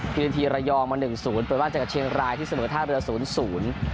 ทีนาทีระยองมาหนึ่งศูนย์เปิดบ้านเจอกับเชียงรายที่เสมอท่าเรือศูนย์ศูนย์